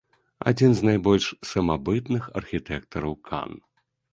Адзін з найбольш самабытных архітэктараў кан.